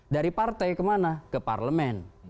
dari partai kemana ke parlemen